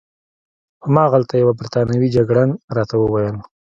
هماغلته یوه بریتانوي جګړن راته وویل.